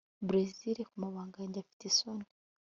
brassily kumabanga yanjye afite isoni